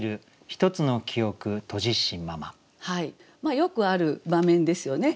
よくある場面ですよね。